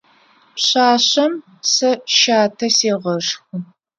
Пшъашъэм сэ щатэ сегъэшхы.